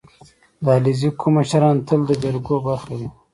• د علیزي قوم مشران تل د جرګو برخه وي.